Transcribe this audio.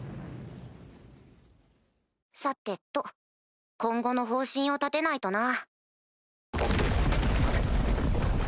さてと今後の方針を立てないとな。